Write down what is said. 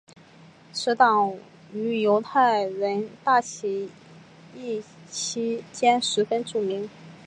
此党于犹太人大起义期间十分著名。